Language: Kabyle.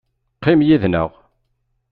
Qqim yid-nneɣ.